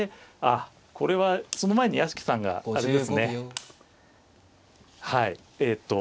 あっこれはその前に屋敷さんがあれですねはいえと。